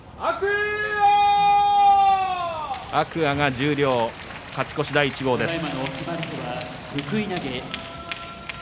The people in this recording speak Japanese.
天空海が十両勝ち越し第１号です。